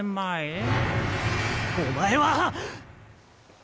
お前は！